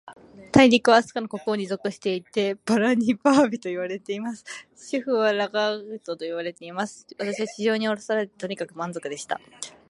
大陸は、飛島の国王に属していて、バルニバービといわれています。首府はラガードと呼ばれています。私は地上におろされて、とにかく満足でした。